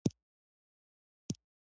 له افریقا مریان وپېري او امریکا ته صادر کړي.